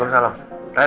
berkendali ayo minta kadi